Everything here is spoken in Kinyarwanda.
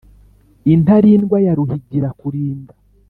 intarindwa ya ruhigira kurinda,